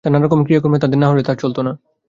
তাঁর নানারকম ক্রিয়াকর্মে তাদের না হলে তাঁর চলত না।